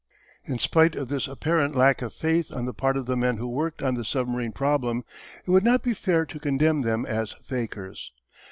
In spite of this apparent lack of faith on the part of the men who worked on the submarine problem, it would not be fair to condemn them as fakirs.